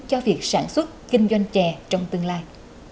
cho việc sản xuất kinh doanh chè trong tương lai